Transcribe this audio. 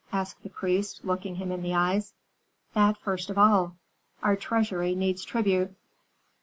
asked the priest, looking him in the eyes. "That first of all; our treasury needs tribute."